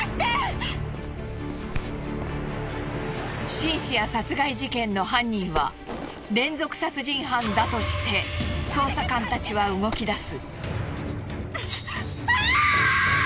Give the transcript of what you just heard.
シンシア殺害事件の犯人は連続殺人犯だとして捜査官たちは動き出す。